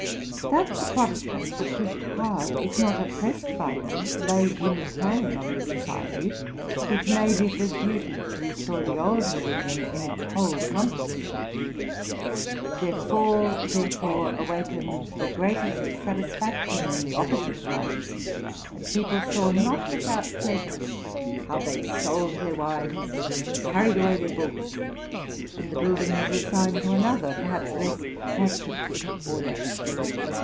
That the Protestants were pushed hard, if not oppressed by them, lay in the plan of the society which made it a duty to restore the old reli gion in its whole compass. Their fall, therefore, awakened the greatest satisfaction in the opposite party; and people saw, not without pleasure, how they sold their wines, carried away their books: and the building was assigned to another, perhaps less active, order.